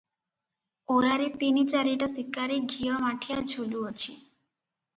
ଓରାରେ ତିନି ଚାରିଟା ଶିକାରେ ଘିଅ ମାଠିଆ ଝୁଲୁଅଛି ।